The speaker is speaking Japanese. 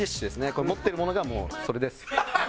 これ持ってるものがもうそれです。